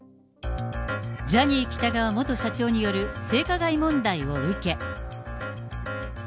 ジャニー喜多川元社長による性加害問題を受け。